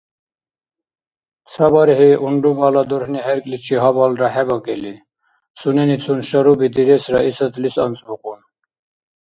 Ца бархӀи, унрубала дурхӀни хӀеркӀличи гьабалра хӀебакӀили, суненицун шаруби дирес Раисатлис анцӀбукьун.